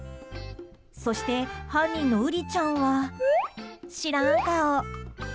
そして、犯人のうりちゃんは知らん顔。